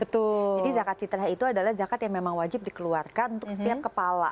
jadi zakat fitrah itu adalah zakat yang memang wajib dikeluarkan untuk setiap kepala